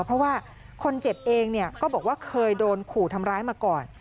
เพราะว่าคนเจ็บเองก็บอกว่าเคยโดนขู่ทำร้ายมาก่อน